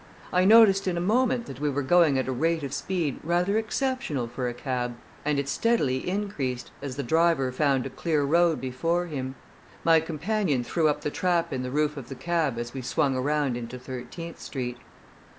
I noticed in a moment that we were going at a rate of speed rather exceptional for a cab, and it steadily increased, as the driver found a clear road before him. My companion threw up the trap in the roof of the cab as we swung around into Thirteenth Street.